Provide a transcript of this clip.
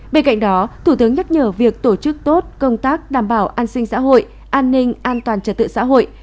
bên cạnh đó thủ tướng nhắc nhở việc tổ chức tốt công tác đảm bảo an sinh xã hội an ninh an toàn trật tự xã hội